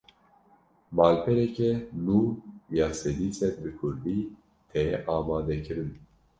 Malpereke nû ya sedî sed bi Kurdî, tê amadekirin